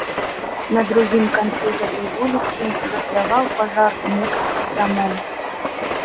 На другім канцы гэтай вуліцы датляваў пажар некалькіх дамоў.